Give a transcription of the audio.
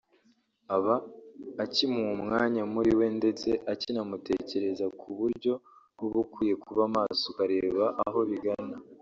aba akimuha umwanya muri we ndetse akinamutekereza ku buryo uba ukwiye kuba maso ukareba aho bigana